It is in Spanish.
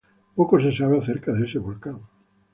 Poco se sabe acerca de este volcán.